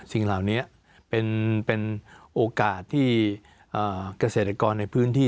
สิ่งเหล่านี้เป็นโอกาสที่เกษตรกรในพื้นที่